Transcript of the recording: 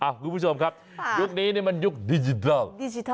บ๊วยคุณผู้ชมครับยุคนี้นี่มันยุคดิจิทัล